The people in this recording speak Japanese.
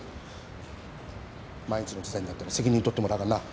万一の事態になったら責任取ってもらうからな。